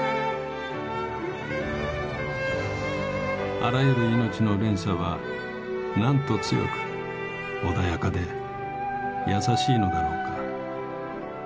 あらゆるいのちの連鎖はなんと強く穏やかで優しいのだろうか。